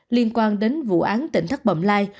liên quan đến vụ án tỉnh thác bậm lai